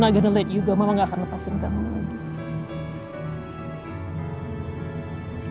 aku nggak akan biarkan kamu mama nggak akan lepasin kamu lagi